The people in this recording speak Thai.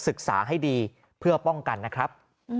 ศึกษาให้ดีเพื่อป้องกันนะครับ